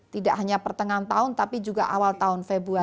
tidak hanya pertengahan tahun tapi juga awal tahun februari